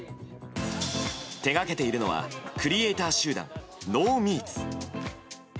手がけているのはクリエーター集団ノーミーツ。